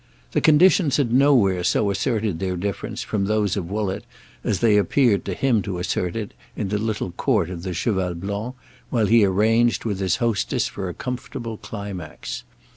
The conditions had nowhere so asserted their difference from those of Woollett as they appeared to him to assert it in the little court of the Cheval Blanc while he arranged with his hostess for a comfortable climax.